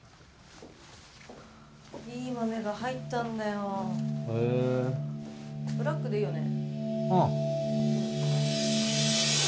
いい豆が入ったんだよへえブラックでいいよね？